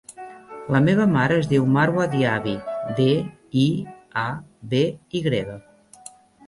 La meva mare es diu Marwa Diaby: de, i, a, be, i grega.